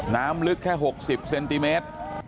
น้ำลึกแค่๖๐เซนติเมตร